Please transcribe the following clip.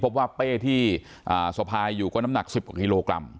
ว่าเป้ที่สะพายอยู่ก็น้ำหนัก๑๐กว่ากิโลกรัม